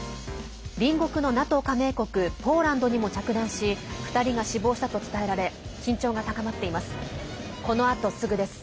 隣国のＮＡＴＯ加盟国ポーランドにも着弾し２人が死亡したと伝えられ緊張が高まっています。